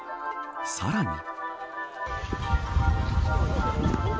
さらに。